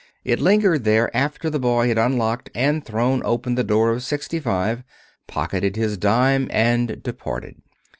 It lingered there after the boy had unlocked and thrown open the door of sixty five, pocketed his dime, and departed.